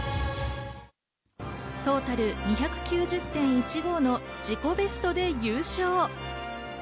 トータル２９０．１５の自己ベストで優勝。